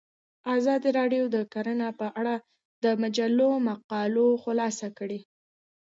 ازادي راډیو د کرهنه په اړه د مجلو مقالو خلاصه کړې.